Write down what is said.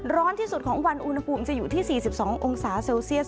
ร้อนที่สุดของวันอุณหภูมิจะอยู่ที่๔๒องศาเซลเซียส